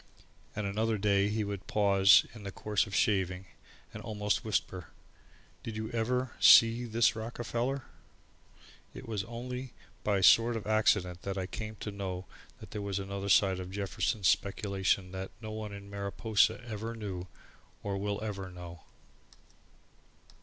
And another day he would pause in the course of shaving, and almost whisper: "Did you ever see this Rockefeller?" It was only by a sort of accident that I came to know that there was another side to Jefferson's speculation that no one in Mariposa ever knew, or will ever know now.